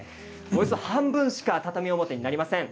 およそ半分しか畳表になりません。